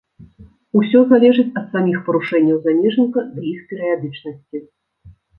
Усё залежыць ад саміх парушэнняў замежніка ды іх перыядычнасці.